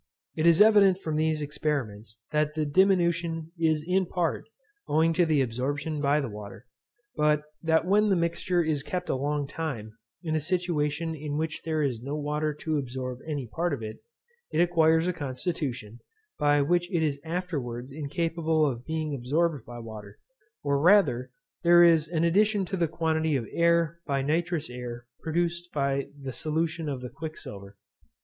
It is evident from these experiments, that the diminution is in part owing to the absorption by the water; but that when the mixture is kept a long time, in a situation in which there is no water to absorb any part of it, it acquires a constitution, by which it is afterwards incapable of being absorbed by water, or rather, there is an addition to the quantity of air by nitrous air produced by the solution of the quicksilver.